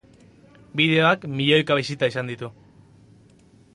Bideoak milioika bisita izan ditu.